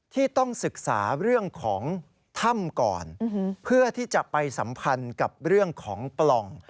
ที่ต้องศึกษาเรื่องของถ้ำก่อนเพื่อที่จะไปสัมพันธ์กับเรื่องของปล่อง